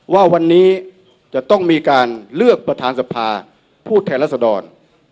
ว่าวันนี้จะต้องมีการเลือกประธานสภาผู้แทนรัศดร